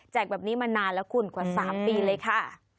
แบบนี้มานานแล้วคุณกว่า๓ปีเลยค่ะ